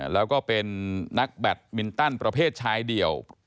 แล้วก็เป็นนักแบตมินตันประเภทชายเดี่ยว